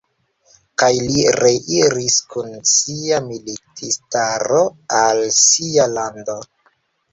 Kaj li reiris kun sia militistaro al sia lando.